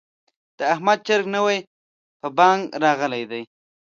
د احمد چرګ نوی په بانګ راغلی دی.